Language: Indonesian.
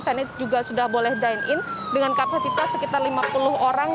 saya ini juga sudah boleh dine in dengan kapasitas sekitar lima puluh orang